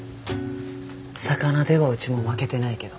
魚ではうちも負けてないけど。